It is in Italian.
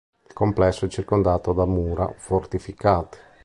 Il complesso è circondato da mura fortificate.